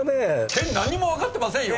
健何にも分かってませんよ